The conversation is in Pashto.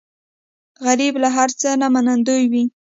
غریب له هر څه نه منندوی وي